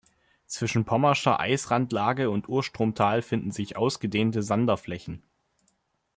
Zwischen Pommerscher Eisrandlage und Urstromtal finden sich ausgedehnte Sanderflächen.